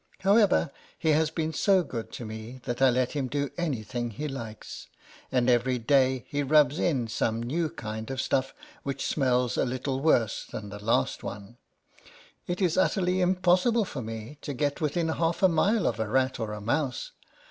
However, he has been so good to me, that I let him do any thing he likes, and every day he rubs in some new kind of stuff, which smells a little worse 86 LETTERS FROM A CAT. than the last one. It is utterly im possible for me to get within half a mile of a rat or a mouse.